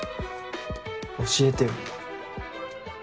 教えてよ。